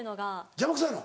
邪魔くさいの？